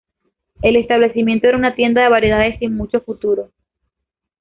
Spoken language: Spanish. El establecimiento era una tienda de variedades sin mucho futuro.